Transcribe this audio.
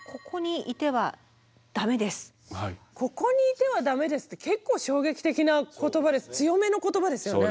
「ここにいてはダメです」って結構衝撃的な言葉で強めの言葉ですよね。